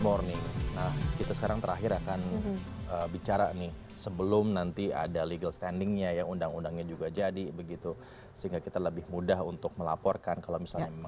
morning nah kita sekarang terakhir akan bicara nih sebelum nanti ada legal standingnya yang undang undangnya juga jadi begitu sehingga kita lebih mudah untuk melaporkan kalau misalnya memang